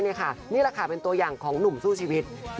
นี่ค่ะนี่แหละค่ะเป็นตัวอย่างของหนุ่มสู้ชีวิต